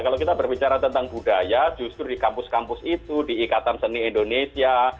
kalau kita berbicara tentang budaya justru di kampus kampus itu di ikatan seni indonesia